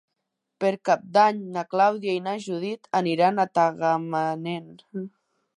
Per Cap d'Any na Clàudia i na Judit aniran a Tagamanent.